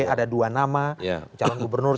ada dua nama calon gubernur